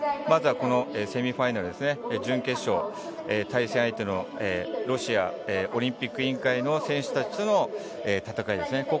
まずこのセミファイナル、準決勝対戦相手のロシアオリンピック委員会の選手たちとの戦いですね。